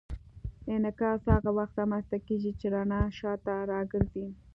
انعکاس هغه وخت رامنځته کېږي چې رڼا شاته راګرځي.